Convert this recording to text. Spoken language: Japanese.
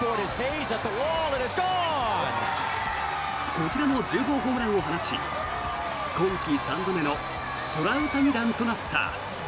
こちらも１０号ホームランを放ち今季３度目のトラウタニ弾となった。